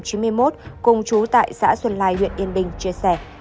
cùng chú tại xã xuân lai huyện yên bình chia sẻ